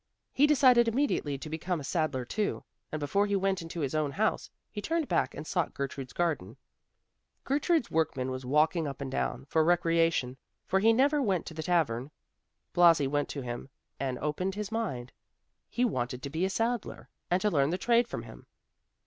He decided immediately to become a saddler too, and before he went into his own house, he turned back and sought Gertrude's garden. Gertrude's workman was walking up and down, for recreation; for he never went to the tavern. Blasi went to him and opened his mind; he wanted to be a saddler, and to learn the trade from him.